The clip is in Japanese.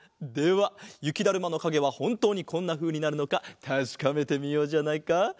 ではゆきだるまのかげはほんとうにこんなふうになるのかたしかめてみようじゃないか。